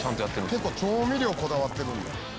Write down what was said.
「結構調味料こだわってるんだ」